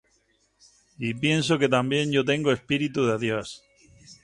y pienso que también yo tengo Espíritu de Dios.